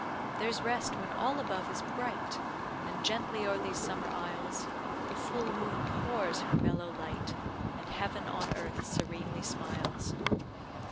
There's rest when all above is bright, And gently o'er these summer isles The full moon pours her mellow light, And heaven on earth serenely smiles.